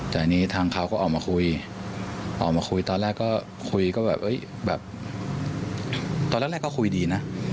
แต่อันนี้ทางเขาก็ออกมาคุยออกมาคุยตอนแรกก็คุยก็แบบตอนแรกก็คุยดีนะ